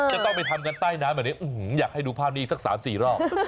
จะต้องไปทำกันใต้น้ำแบบนี้อยากให้ดูภาพนี้สัก๓๔รอบ